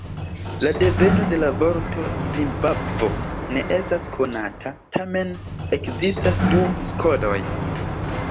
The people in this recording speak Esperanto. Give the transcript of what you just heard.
La deveno de la vorto "Zimbabvo" ne estas konata, tamen ekzistas du skoloj.